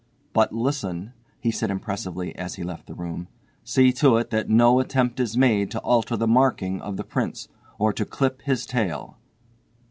But listen," he said impressively as he left the room, "see to it that no attempt is made to alter the marking of the prince, or to clip his tail."